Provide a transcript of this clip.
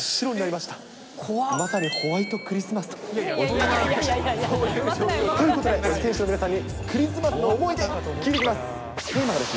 まさにホワイトクリスマスと。ということで、選手の皆さんにクリスマスの思い出、聞いてきます！